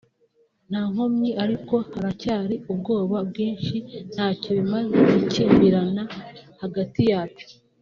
nta nkomyi ariko haracyari ubwoba bwinshi…Ntacyo bimaze gukimbirana hagati yacu